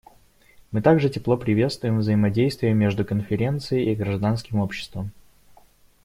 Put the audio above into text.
Мы также тепло приветствуем взаимодействие между Конференцией и гражданским обществом.